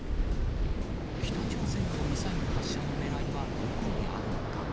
北朝鮮のミサイル発射のねらいはどこにあるのか。